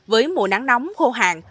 với mùa nắng nóng khô hạn